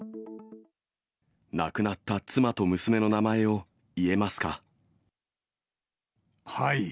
亡くなった妻と娘の名前を言はい。